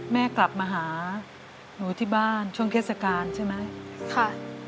แม่กลับมาหาหนูที่บ้านช่วงเทศกาลใช่ไหมค่ะ